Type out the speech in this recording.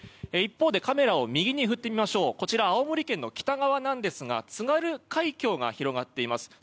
一方でカメラを右に振ってみましょう青森県の北側ですが津軽海峡が広がっています。